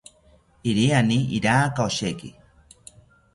iriani iraka osheki